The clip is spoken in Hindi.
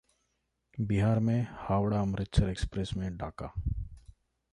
बिहार में हावड़ा-अमृतसर एक्सप्रेस में डाका